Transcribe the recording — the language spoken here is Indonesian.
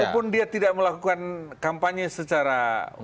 walaupun dia tidak melakukan kampanye secara